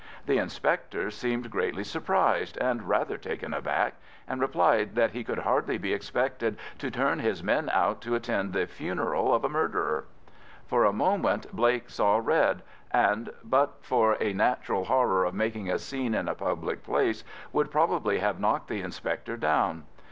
The inspector seemed greatly surprised and rather taken aback, and replied that he could hardly be expected to turn his men out to attend the funeral of a murderer. For a moment Blake saw red, and but for a natural horror of making a scene in a public place, would probably have knocked the inspector down.